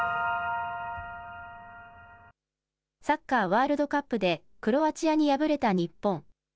サッカーワールドカップでクロアチアに敗れた日本。